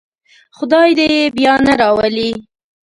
خدای دې یې بیا نه راولي.